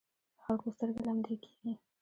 د خلکو سترګې لمدې کېږي.